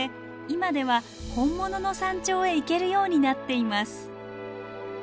今では本物の山頂へ行けるようになっています。